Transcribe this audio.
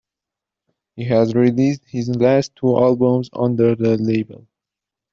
He has released his last two albums under the label.